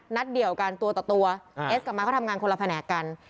เดียวกันตัวต่อตัวเอสกับมาก็ทำงานคนละแผนกกัน